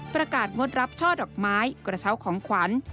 ประกาศงดรับช่อดอกไม้กระเช้าของขวัญ